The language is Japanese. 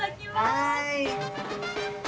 はい。